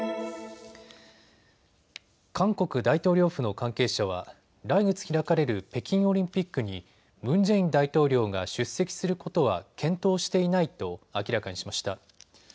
韓国大統領府の関係者は来月開かれる北京オリンピックにムン・ジェイン大統領が出席することは検討していないと明らかにしました。